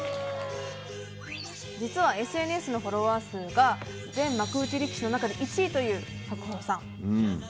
実は、ＳＮＳのフォロワー数が全幕内力士の中で１位という白鵬さん。